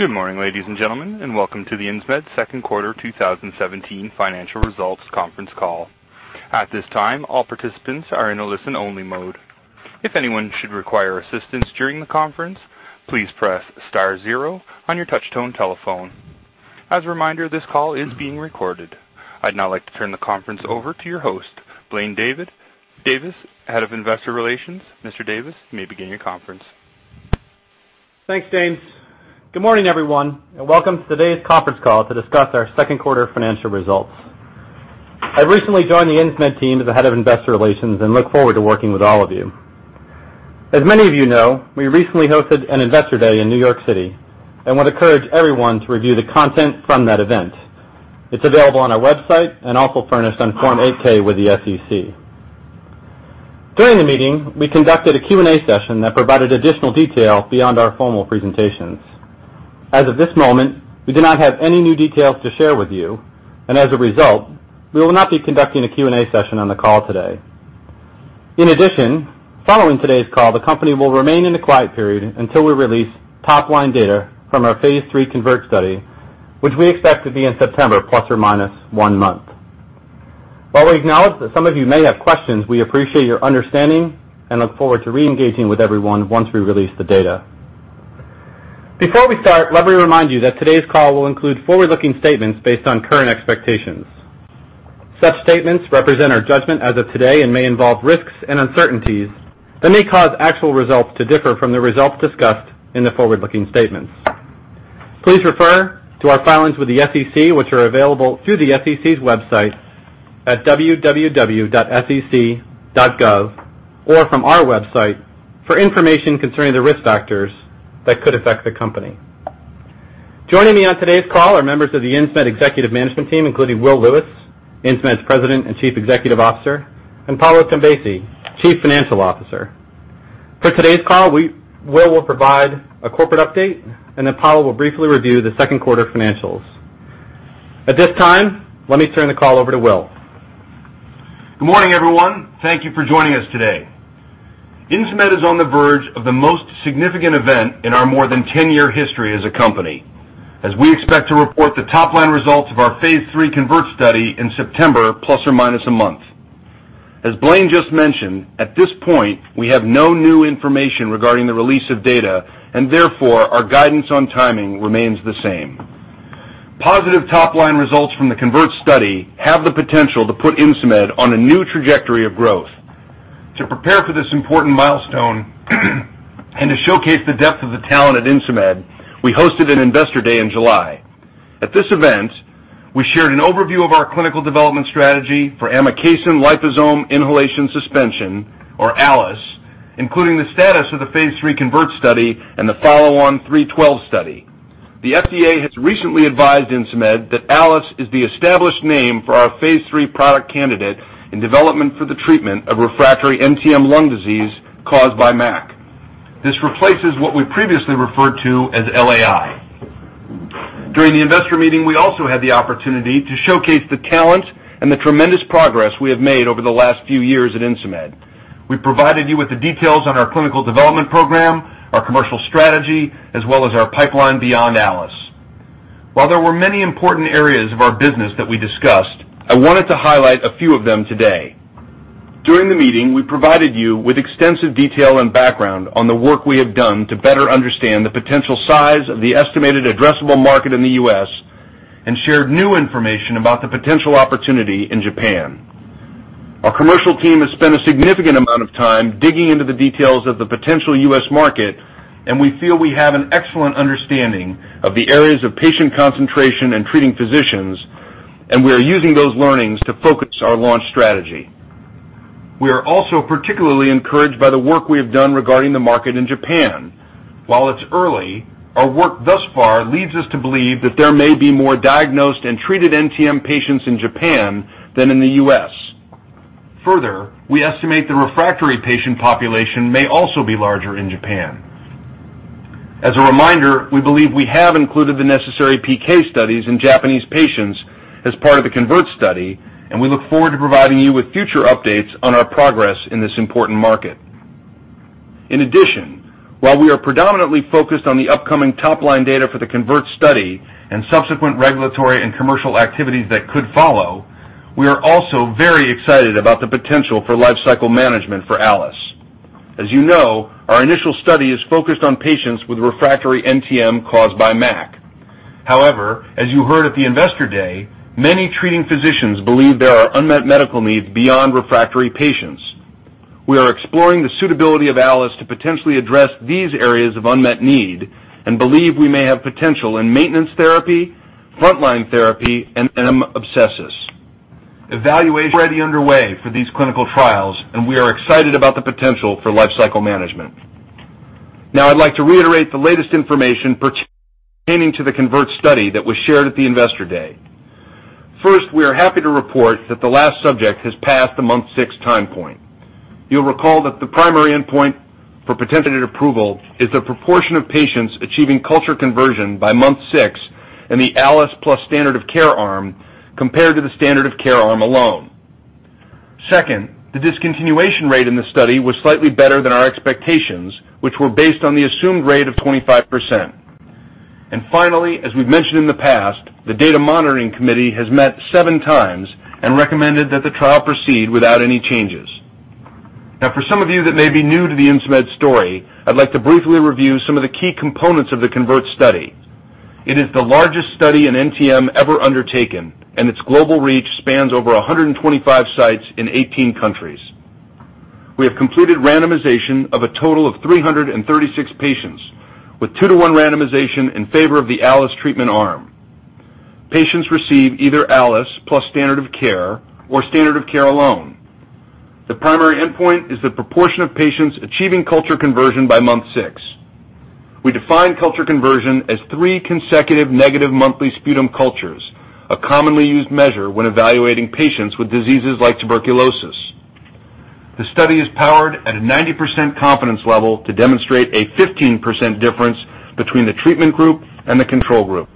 Good morning, ladies and gentlemen, and welcome to the Insmed second quarter 2017 financial results conference call. At this time, all participants are in a listen-only mode. If anyone should require assistance during the conference, please press star zero on your touch-tone telephone. As a reminder, this call is being recorded. I'd now like to turn the conference over to your host, Blaine Davis, Head of Investor Relations. Mr. Davis, you may begin your conference. Thanks, James. Good morning, everyone, and welcome to today's conference call to discuss our second quarter financial results. I've recently joined the Insmed team as the Head of Investor Relations and look forward to working with all of you. As many of you know, we recently hosted an investor day in New York City and want to encourage everyone to review the content from that event. It's available on our website and also furnished on Form 8-K with the SEC. During the meeting, we conducted a Q&A session that provided additional detail beyond our formal presentations. As of this moment, we do not have any new details to share with you, and as a result, we will not be conducting a Q&A session on the call today. In addition, following today's call, the company will remain in a quiet period until we release top-line data from our phase III CONVERT study, which we expect to be in September ± one month. While we acknowledge that some of you may have questions, we appreciate your understanding and look forward to re-engaging with everyone once we release the data. Before we start, let me remind you that today's call will include forward-looking statements based on current expectations. Such statements represent our judgment as of today and may involve risks and uncertainties that may cause actual results to differ from the results discussed in the forward-looking statements. Please refer to our filings with the SEC, which are available through the SEC's website at www.sec.gov or from our website, for information concerning the risk factors that could affect the company. Joining me on today's call are members of the Insmed executive management team, including Will Lewis, Insmed's President and Chief Executive Officer, and Paolo Tombesi, Chief Financial Officer. For today's call, Will provide a corporate update, and then Paolo will briefly review the second quarter financials. At this time, let me turn the call over to Will. Good morning, everyone. Thank you for joining us today. Insmed is on the verge of the most significant event in our more than 10-year history as a company as we expect to report the top-line results of the phase III CONVERT study in September, ± a month. As Blaine just mentioned, at this point, we have no new information regarding the release of data, our guidance on timing remains the same. Positive top-line results from the CONVERT study have the potential to put Insmed on a new trajectory of growth. To prepare for this important milestone and to showcase the depth of the talent at Insmed, we hosted an investor day in July. At this event, we shared an overview of our clinical development strategy for amikacin liposome inhalation suspension, or ALIS, including the status of the phase III CONVERT study and the follow-on INS-312 study. The FDA has recently advised Insmed that ALIS is the established name for our phase III product candidate in development for the treatment of refractory NTM lung disease caused by MAC. This replaces what we previously referred to as LAI. During the investor meeting, we also had the opportunity to showcase the talent and the tremendous progress we have made over the last few years at Insmed. We provided you with the details on our clinical development program, our commercial strategy, as well as our pipeline beyond ALIS. While there were many important areas of our business that we discussed, I wanted to highlight a few of them today. During the meeting, we provided you with extensive detail and background on the work we have done to better understand the potential size of the estimated addressable market in the U.S. and shared new information about the potential opportunity in Japan. Our commercial team has spent a significant amount of time digging into the details of the potential U.S. market. We feel we have an excellent understanding of the areas of patient concentration and treating physicians. We are using those learnings to focus our launch strategy. We are also particularly encouraged by the work we have done regarding the market in Japan. While it's early, our work thus far leads us to believe that there may be more diagnosed and treated NTM patients in Japan than in the U.S. We estimate the refractory patient population may also be larger in Japan. As a reminder, we believe we have included the necessary PK studies in Japanese patients as part of the CONVERT study. We look forward to providing you with future updates on our progress in this important market. While we are predominantly focused on the upcoming top-line data for the CONVERT study and subsequent regulatory and commercial activities that could follow, we are also very excited about the potential for life cycle management for ALIS. As you know, our initial study is focused on patients with refractory NTM caused by MAC. As you heard at the investor day, many treating physicians believe there are unmet medical needs beyond refractory patients. We are exploring the suitability of ALIS to potentially address these areas of unmet need and believe we may have potential in maintenance therapy, frontline therapy, and empyemas/abscesses. Evaluation is already underway for these clinical trials. We are excited about the potential for life cycle management. I'd like to reiterate the latest information pertaining to the CONVERT study that was shared at the investor day. First, we are happy to report that the last subject has passed the month six time point. You'll recall that the primary endpoint for potential approval is the proportion of patients achieving culture conversion by month six in the ALIS plus standard of care arm compared to the standard of care arm alone. Second, the discontinuation rate in the study was slightly better than our expectations, which were based on the assumed rate of 25%. Finally, as we've mentioned in the past, the data monitoring committee has met seven times and recommended that the trial proceed without any changes. For some of you that may be new to the Insmed story, I'd like to briefly review some of the key components of the CONVERT study. It is the largest study in NTM ever undertaken, and its global reach spans over 125 sites in 18 countries. We have completed randomization of a total of 336 patients with two-to-one randomization in favor of the ALIS treatment arm. Patients receive either ALIS plus standard of care or standard of care alone. The primary endpoint is the proportion of patients achieving culture conversion by month six. We define culture conversion as three consecutive negative monthly sputum cultures, a commonly used measure when evaluating patients with diseases like tuberculosis. The study is powered at a 90% confidence level to demonstrate a 15% difference between the treatment group and the control group.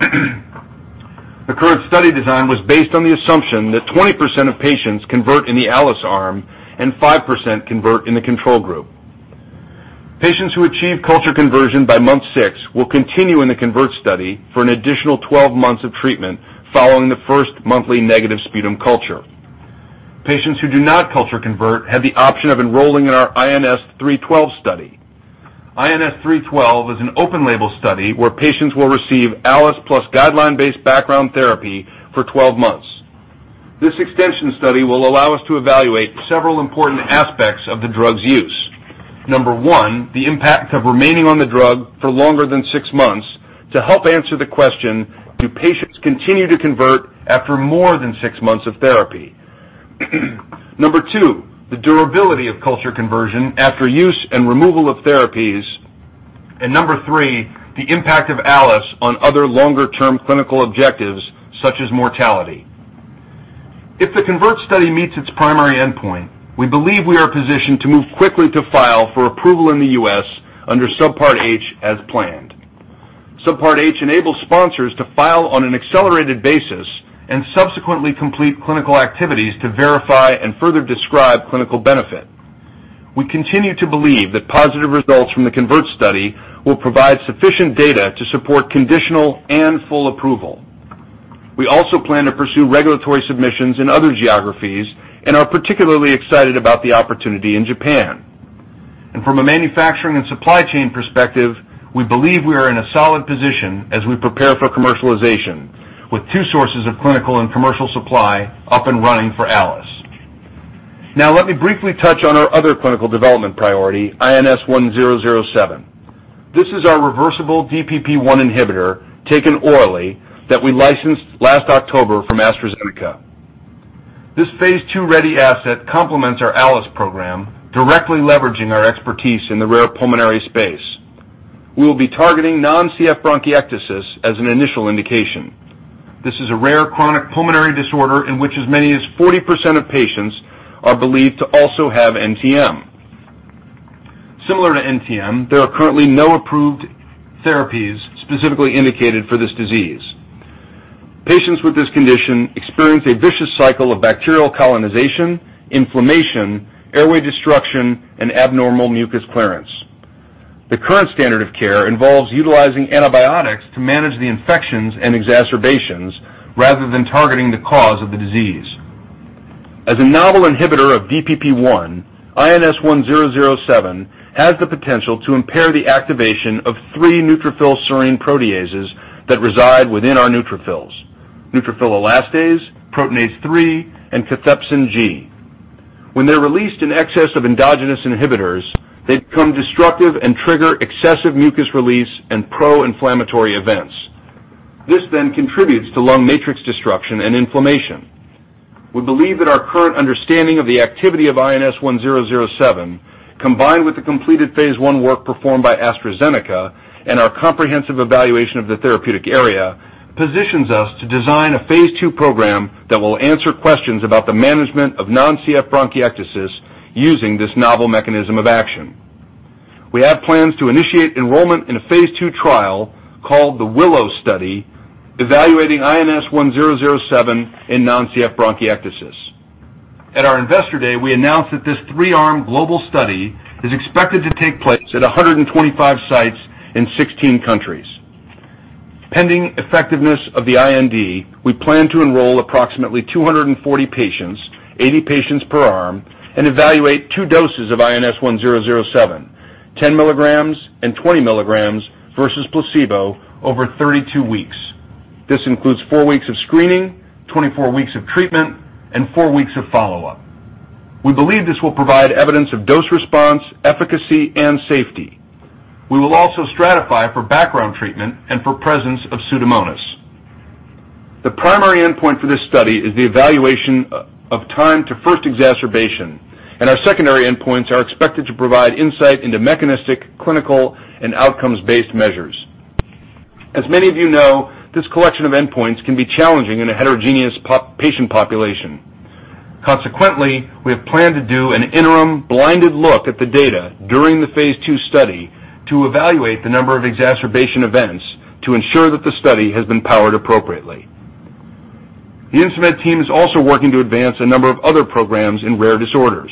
The current study design was based on the assumption that 20% of patients convert in the ALIS arm and 5% convert in the control group. Patients who achieve culture conversion by month six will continue in the CONVERT study for an additional 12 months of treatment following the first monthly negative sputum culture. Patients who do not culture convert have the option of enrolling in our INS-312 study. INS-312 is an open label study where patients will receive ALIS plus guideline-based background therapy for 12 months. This extension study will allow us to evaluate several important aspects of the drug's use. Number 1, the impact of remaining on the drug for longer than six months to help answer the question, do patients continue to convert after more than six months of therapy? Number 2, the durability of culture conversion after use and removal of therapies, and Number 3, the impact of ALIS on other longer-term clinical objectives such as mortality. If the CONVERT study meets its primary endpoint, we believe we are positioned to move quickly to file for approval in the U.S. under Subpart H as planned. Subpart H enables sponsors to file on an accelerated basis and subsequently complete clinical activities to verify and further describe clinical benefit. We continue to believe that positive results from the CONVERT study will provide sufficient data to support conditional and full approval. We also plan to pursue regulatory submissions in other geographies and are particularly excited about the opportunity in Japan. From a manufacturing and supply chain perspective, we believe we are in a solid position as we prepare for commercialization with two sources of clinical and commercial supply up and running for ALIS. Let me briefly touch on our other clinical development priority, INS1007. This is our reversible DPP-1 inhibitor taken orally that we licensed last October from AstraZeneca. This phase II-ready asset complements our ALIS program, directly leveraging our expertise in the rare pulmonary space. We will be targeting non-CF bronchiectasis as an initial indication. This is a rare chronic pulmonary disorder in which as many as 40% of patients are believed to also have NTM. Similar to NTM, there are currently no approved therapies specifically indicated for this disease. Patients with this condition experience a vicious cycle of bacterial colonization, inflammation, airway destruction, and abnormal mucus clearance. The current standard of care involves utilizing antibiotics to manage the infections and exacerbations rather than targeting the cause of the disease. As a novel inhibitor of DPP-1, INS1007 has the potential to impair the activation of three neutrophil serine proteases that reside within our neutrophils, neutrophil elastase, proteinase 3, and cathepsin G. When they're released in excess of endogenous inhibitors, they become destructive and trigger excessive mucus release and pro-inflammatory events. This then contributes to lung matrix destruction and inflammation. We believe that our current understanding of the activity of INS-1007, combined with the completed phase I work performed by AstraZeneca and our comprehensive evaluation of the therapeutic area, positions us to design a phase II program that will answer questions about the management of non-CF bronchiectasis using this novel mechanism of action. We have plans to initiate enrollment in a phase II trial called the WILLOW study, evaluating INS-1007 in non-CF bronchiectasis. At our investor day, we announced that this 3-arm global study is expected to take place at 125 sites in 16 countries. Pending effectiveness of the IND, we plan to enroll approximately 240 patients, 80 patients per arm, and evaluate two doses of INS-1007, 10 mg and 20 mg versus placebo over 32 weeks. This includes four weeks of screening, 24 weeks of treatment, and four weeks of follow-up. We believe this will provide evidence of dose response, efficacy, and safety. We will also stratify for background treatment and for presence of Pseudomonas. The primary endpoint for this study is the evaluation of time to first exacerbation. Our secondary endpoints are expected to provide insight into mechanistic, clinical, and outcomes-based measures. Consequently, we have planned to do an interim blinded look at the data during the phase II study to evaluate the number of exacerbation events to ensure that the study has been powered appropriately. The Insmed team is also working to advance a number of other programs in rare disorders.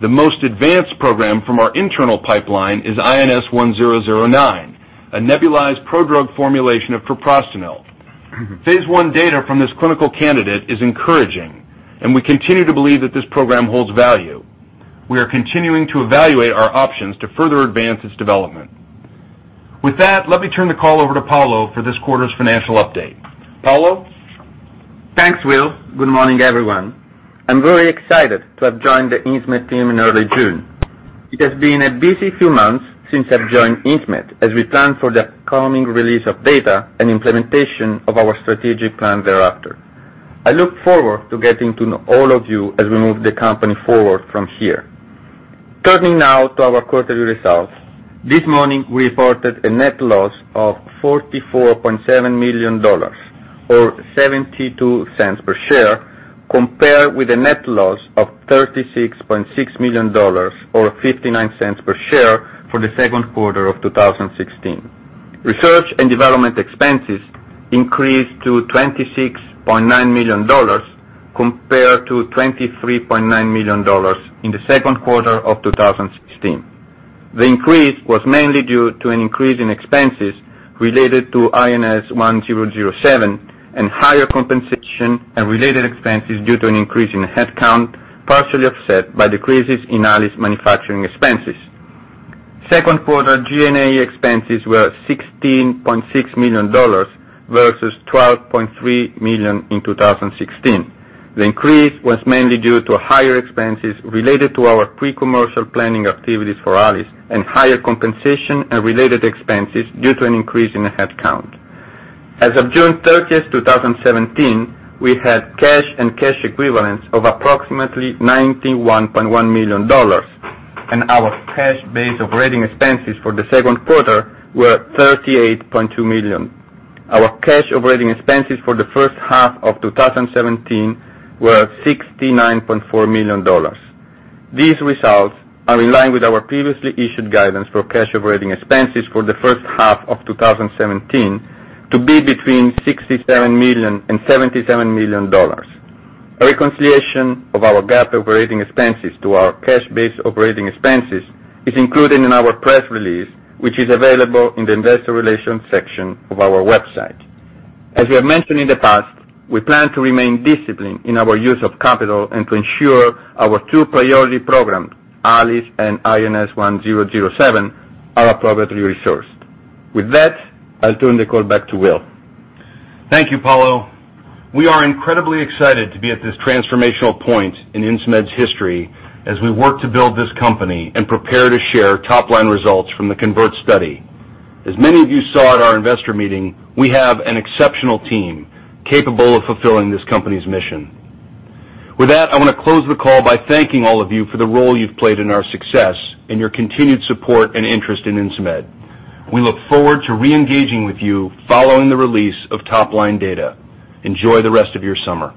The most advanced program from our internal pipeline is INS1009, a nebulized prodrug formulation of propranolol. Phase I data from this clinical candidate is encouraging. We continue to believe that this program holds value. We are continuing to evaluate our options to further advance its development. With that, let me turn the call over to Paolo for this quarter's financial update. Paolo? Thanks, Will. Good morning, everyone. I'm very excited to have joined the Insmed team in early June. It has been a busy few months since I've joined Insmed, as we plan for the upcoming release of data and implementation of our strategic plan thereafter. I look forward to getting to know all of you as we move the company forward from here. Turning now to our quarterly results. This morning, we reported a net loss of $44.7 million, or $0.72 per share, compared with a net loss of $36.6 million or $0.59 per share for the second quarter of 2016. Research and development expenses increased to $26.9 million compared to $23.9 million in the second quarter of 2016. The increase was mainly due to an increase in expenses related to INS1007 and higher compensation and related expenses due to an increase in headcount, partially offset by decreases in ALIS manufacturing expenses. Second quarter G&A expenses were $16.6 million versus $12.3 million in 2016. The increase was mainly due to higher expenses related to our pre-commercial planning activities for ALIS and higher compensation and related expenses due to an increase in the headcount. As of June 30, 2017, we had cash and cash equivalents of approximately $91.1 million, and our cash base operating expenses for the second quarter were $38.2 million. Our cash operating expenses for the first half of 2017 were $69.4 million. These results are in line with our previously issued guidance for cash operating expenses for the first half of 2017 to be between $67 million and $77 million. A reconciliation of our GAAP operating expenses to our cash base operating expenses is included in our press release, which is available in the investor relations section of our website. As we have mentioned in the past, we plan to remain disciplined in our use of capital and to ensure our two priority programs, ALIS and INS1007, are appropriately resourced. With that, I'll turn the call back to Will. Thank you, Paolo. We are incredibly excited to be at this transformational point in Insmed's history as we work to build this company and prepare to share top-line results from the CONVERT study. As many of you saw at our investor meeting, we have an exceptional team capable of fulfilling this company's mission. With that, I want to close the call by thanking all of you for the role you've played in our success and your continued support and interest in Insmed. We look forward to re-engaging with you following the release of top-line data. Enjoy the rest of your summer.